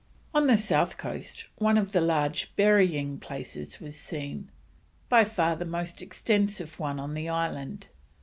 On the south coast one of the large burying places was seen; by far the most extensive one on the island.